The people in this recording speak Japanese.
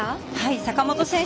坂本選手